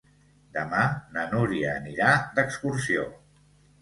Demà na Núria anirà d'excursió.